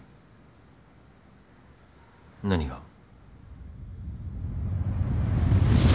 何が？